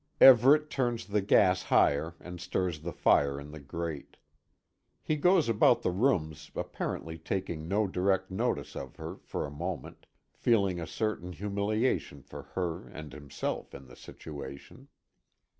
Everet turns the gas higher and stirs the fire in the grate. He goes about the rooms apparently taking no direct notice of her, for a moment, feeling a certain humiliation for her and himself in the situation.